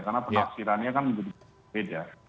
karena pengaksirannya kan berbeda